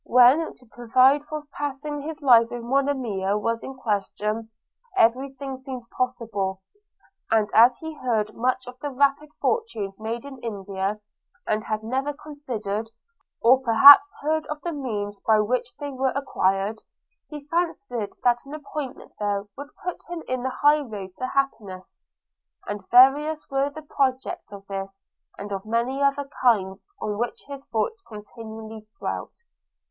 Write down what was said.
When to provide for passing his life with Monimia was in question, every thing seemed possible; and as he heard much of the rapid fortunes made in India, and had never considered, or perhaps heard of the means by which they were acquired, he fancied that an appointment there would put him in the high road to happiness; and various were the projects of this and of many other kinds, on which his thoughts continually dwelt.